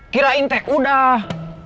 kirain tek udah